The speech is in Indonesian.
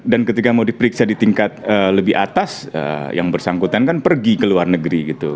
dan ketika mau diperiksa di tingkat lebih atas yang bersangkutan kan pergi ke luar negeri gitu